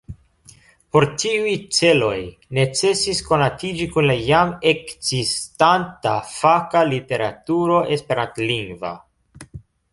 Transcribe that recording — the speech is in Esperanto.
Por tiuj celoj necesis konatiĝi kun la jam ekzistanta faka literaturo esperantlingva.